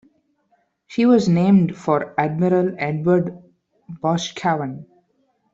She was named for Admiral Edward Boscawen.